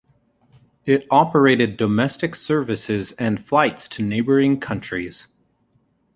It operated domestic services and flights to neighbouring countries.